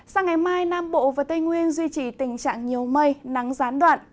sang ngày mai nam bộ và tây nguyên duy trì tình trạng nhiều mây nắng gián đoạn